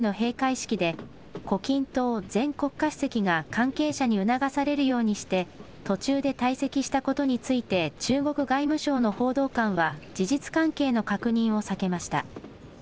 中国で行われた共産党大会の閉会式で、胡錦涛前国家主席が関係者に促されるようにして、途中で退席したことについて、中国外務省の報道官は、事実関係の確認を避けました。